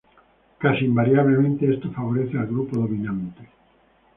Casi invariablemente esto favorece al grupo dominante.